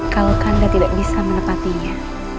kalau anda tidak bisa menepatinya